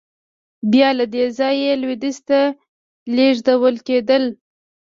بیا له دې ځایه لوېدیځ ته لېږدول کېدل.